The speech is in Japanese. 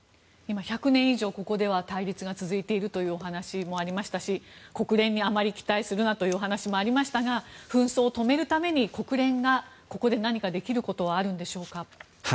１００年以上ここでは対立が続いているというお話もありましたし国連にあまり期待するなというお話もありましたが紛争を止めるために国連がここで何かできることはあるんでしょうか？